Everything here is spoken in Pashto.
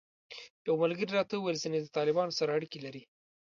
یو ملګري راته وویل ځینې د طالبانو سره اړیکې لري.